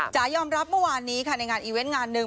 จ๋ายอมรับเมื่อวานนี้ค่ะในงานอีเวนต์งานหนึ่ง